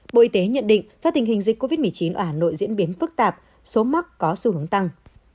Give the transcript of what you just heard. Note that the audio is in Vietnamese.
bộ y tế nhận định do tình hình dịch covid một mươi chín ở hà nội diễn biến phức tạp số mắc có xu hướng tăng